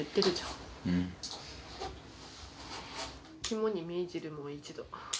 肝に銘じるもう一度。